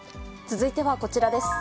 続いてはこちらです。